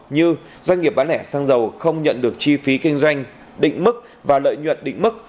như doanh nghiệp bán lẻ xăng dầu không nhận được chi phí kinh doanh định mức và lợi nhuận định mức